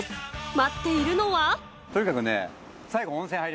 待っているのは。